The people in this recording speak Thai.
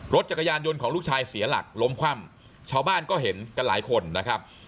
รถจักรยานยนต์ของลูกชายเสียหลักล้มคว่ำชาวบ้านก็เห็นกันหลายคนนะครับ